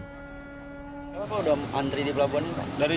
seharian jadi di pelabuhan ini